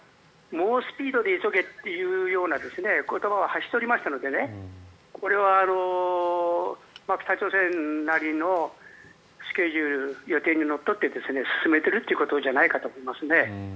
猛スピードで急げというような言葉を発しておりましたのでこれは北朝鮮なりのスケジュール予定にのっとって進めているということじゃないかと思いますね。